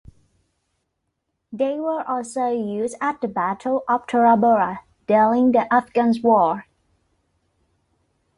They were also used at the Battle of Tora Bora during the Afghan War.